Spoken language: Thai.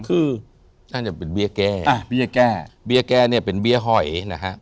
คือน่าจะเป็นเบี้ยแก้เบี้ยแก้นี่เป็นเบี้ยหอยนะฮะ